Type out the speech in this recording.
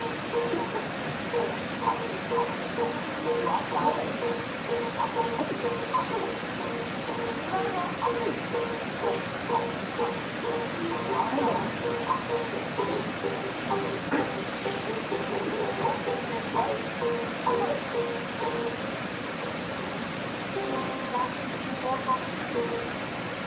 「トッカゲカゲとくいわざ」「アツいっアツいっすながあつい」「トッカゲカゲとくいわざ」「たってはしるはしる」「えりをひろげてはしるはしる」「そしてしんだふりもとくい」